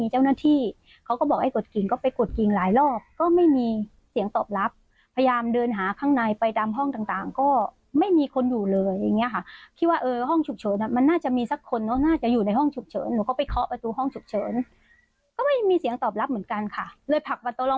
หาไปหาหมอที่อื่นหน่อยงี้ค่ะนึกก็รีบไปถ่อยรถหมาแล้วก็